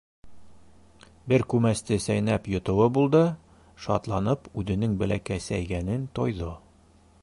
Бер күмәсте сәйнәп йотоуы булды, шатланып, үҙенең бәләкәсәйгәнен тойҙо.